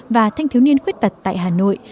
và thanh thiếu niên khuyết tật tại hà nội